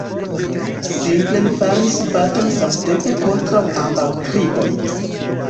Simple ni faris baton samtempe kontraŭ ambaŭ triboj.